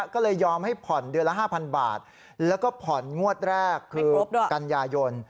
ก็เลยยอมให้ผ่อนเดือนละ๕๐๐บาทแล้วก็ผ่อนงวดแรกคือกันยายน